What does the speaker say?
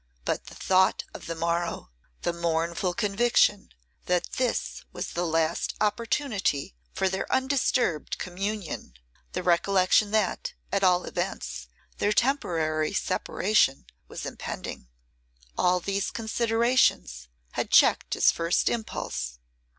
But the thought of the morrow, the mournful conviction that this was the last opportunity for their undisturbed communion, the recollection that, at all events, their temporary separation was impending; all these considerations had checked his first impulse.